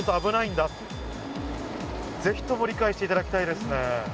ぜひとも理解していただきたいですね。